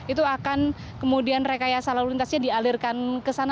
itu akan kemudian rekayasa lalu lintasnya dialirkan ke sana